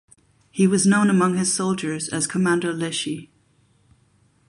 He was known among his soldiers as Commander Lleshi.